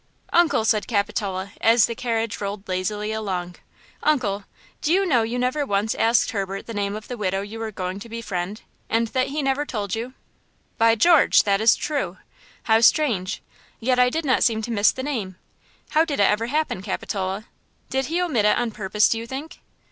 "Uncle," said Capitola as the carriage rolled lazily along–"uncle, do you know you never once asked Herbert the name of the widow you are going to befriend, and that he never told you?" "By George, that is true! How strange! Yet I did not seem to miss the name. How did it ever happen, Capitola? Did he omit it on purpose, do you think?"